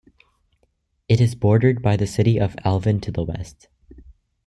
It is bordered by the city of Alvin to the west.